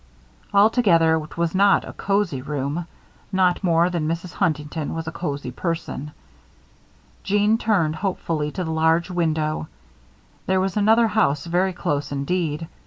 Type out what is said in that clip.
Altogether it was not a cosy room; any more than Mrs. Huntington was a cosy person. Jeanne turned hopefully to the large window. There was another house very close indeed.